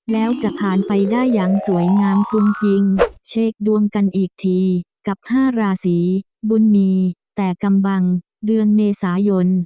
แล้วจะผ่านไปได้อย่างสวยงามฟุ้งฟิงเช็คดวงกันอีกทีกับ๕ราศีบุญมีแต่กำบังเดือนเมษายน